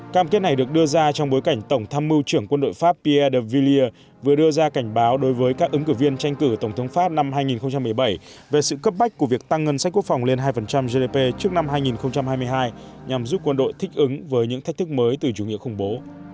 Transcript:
cam kết này được đưa ra trong bối cảnh tổng tham mưu trưởng quân đội pháp pier vilir vừa đưa ra cảnh báo đối với các ứng cử viên tranh cử tổng thống pháp năm hai nghìn một mươi bảy về sự cấp bách của việc tăng ngân sách quốc phòng lên hai gdp trước năm hai nghìn hai mươi hai nhằm giúp quân đội thích ứng với những thách thức mới từ chủ nghĩa khủng bố